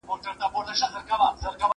له ظلمه ځان وساته چې په نور کې پاڅېږې.